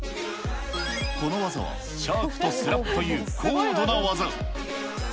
この技はシャークとスラップという高度な技。